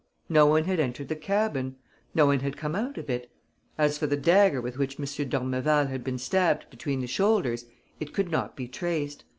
No one had entered the cabin. No one had come out of it. As for the dagger with which M. d'Ormeval had been stabbed between the shoulders, it could not be traced.